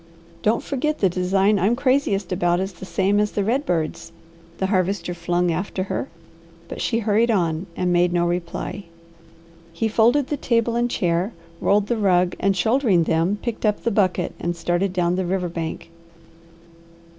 "Don't forget that the design I'm craziest about is the same as the red bird's," the Harvester flung after her, but she hurried on and made no reply. He folded the table and chair, rolled the rug, and shouldering them picked up the bucket and started down the river bank.